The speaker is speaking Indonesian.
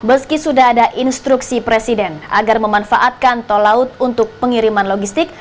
meski sudah ada instruksi presiden agar memanfaatkan tol laut untuk pengiriman logistik